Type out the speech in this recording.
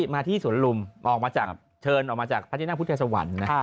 มาที่สวรรลุมออกมาจากเชิญออกมาจากพระเจ้าหน้าพุทธเศรษฐรรม